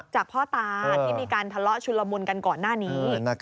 พ่อตาที่มีการทะเลาะชุนละมุนกันก่อนหน้านี้